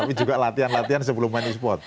tapi juga latihan latihan sebelum main e sport